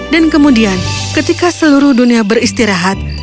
dan kemudian ketika seluruh dunia beristirahat